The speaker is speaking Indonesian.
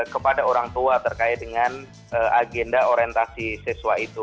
kepada orang tua terkait dengan agenda orientasi siswa itu